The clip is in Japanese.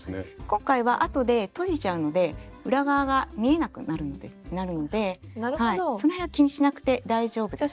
今回はあとでとじちゃうので裏側が見えなくなるのでその辺は気にしなくて大丈夫ですね。